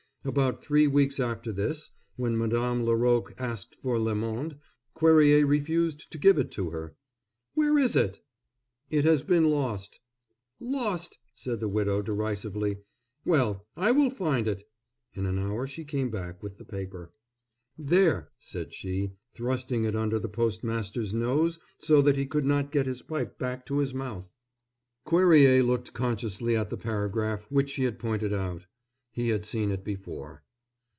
About three weeks after this, when Madame Laroque asked for Le Monde, Cuerrier refused to give it to her. "Where is it?" "It has been lost." "Lost!" said the widow, derisively. "Well, I will find it." In an hour she came back with the paper. "There!" said she, thrusting it under the postmaster's nose so that he could not get his pipe back to his mouth. Cuerrier looked consciously at the paragraph which she had pointed out. He had seen it before.